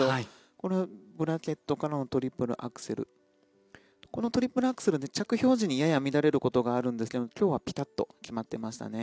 このブラケットからのトリプルアクセルこのトリプルアクセルで着氷時にやや乱れることがあるんですが今日はピタッと決まっていました。